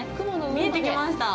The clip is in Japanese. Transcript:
見えてきました。